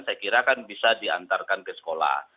saya kira kan bisa diantarkan ke sekolah